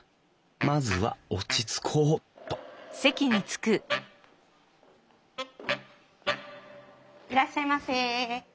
まずは落ち着こうっといらっしゃいませ。